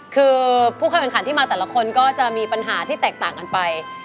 คือพวกใครวางขาดที่มาแต่ละคนก็จะมีปัญหาที่แตกต่างกันไป